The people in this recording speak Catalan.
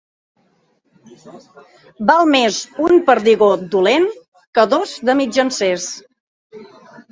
Val més un perdigó dolent que dos de mitjancers.